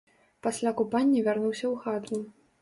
Пасля купання вярнуўся ў хату.